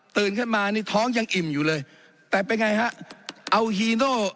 ขึ้นมานี่ท้องยังอิ่มอยู่เลยแต่เป็นไงฮะเอาฮีโน่